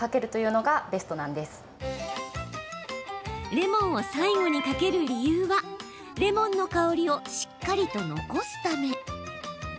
レモンを最後にかける理由はレモンの香りをしっかりと残すため。